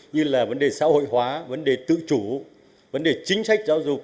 như là vấn đề xã hội hóa vấn đề tự chủ vấn đề chính sách giáo dục